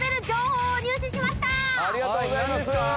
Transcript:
ありがとうございます。